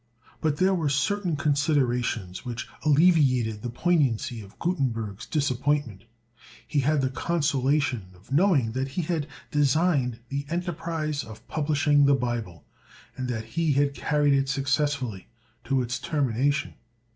But there were certain considerations which alleviated the poignancy of Gutenberg's disappointment. He had the consolation of knowing that he had designed the enterprise of publishing the Bible, and that he had carried it successfully to its termination.